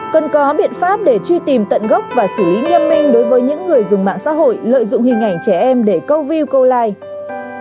cần có biện pháp để truy tìm tận gốc và xử lý nghiêm minh đối với những người dùng mạng xã hội lợi dụng hình ảnh trẻ em để câu view câu like